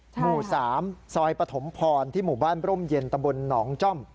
ใช่ครับหมู่๓ซอยปฐมพรที่หมู่บ้านปรุ่มเย็นตะบลหนองจ้อม